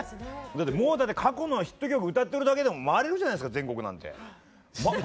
もうだって過去のヒット曲歌ってるだけでも回れるじゃないですか全国なんて。